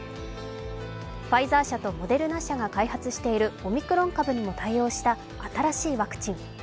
ファイザー社とモデルナ者が開発しているオミクロン株にも対応した新しいワクチン。